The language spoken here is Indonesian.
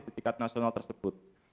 di tikat nasional tersebut